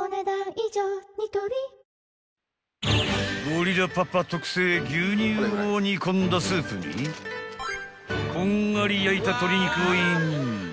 ［ゴリラパパ特製牛乳を煮込んだスープにこんがり焼いた鶏肉をイン］